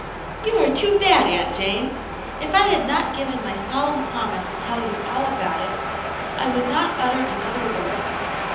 " You are too bad. Aunt Jane. If I had not given my solemn promise to tell you all about it, I would not utter another word.